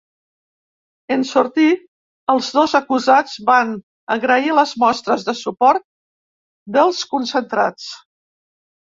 En sortir, els dos acusats van agrair les mostres de suport dels concentrats.